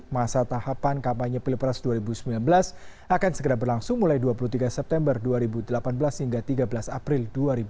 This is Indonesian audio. masa tahapan kampanye pilpres dua ribu sembilan belas akan segera berlangsung mulai dua puluh tiga september dua ribu delapan belas hingga tiga belas april dua ribu sembilan belas